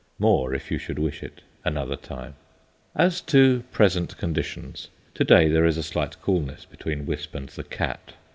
More, if you should wish it, another time. As to present conditions. To day there is a slight coolness between Wisp and the cat.